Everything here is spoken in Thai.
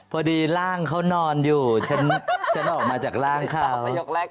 อ๋อพอดีร่างเขานอนอยู่ฉันฉันออกมาจากร่างคร้าว